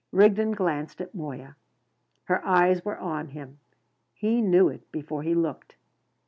Rigden glanced at Moya. Her eyes were on him. He knew it before he looked.